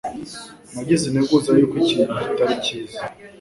Nagize integuza yuko ikintu kitari cyiza.